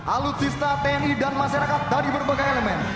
alutsista tni dan masyarakat dari berbagai elemen